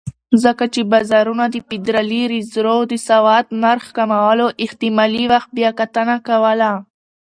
ځکه چې بازارونه د فدرالي ریزرو د سود نرخ کمولو احتمالي وخت بیاکتنه کوله.